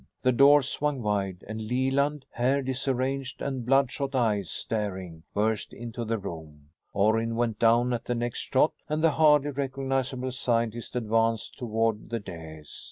The doors swung wide and Leland, hair disarranged and bloodshot eyes staring, burst into the room. Orrin went down at the next shot and the hardly recognizable scientist advanced toward the dais.